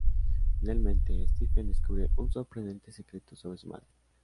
Finalmente, Stephen descubre un sorprendente secreto sobre su madre.